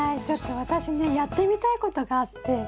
ちょっと私ねやってみたいことがあって。